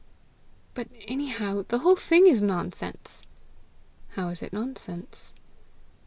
"But anyhow the whole thing is nonsense!" "How is it nonsense?"